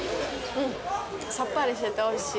うん！さっぱりしてて、おいしい！